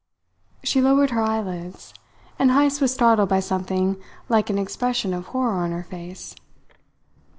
She lowered her eyelids, and Heyst was startled by something like an expression of horror on her face.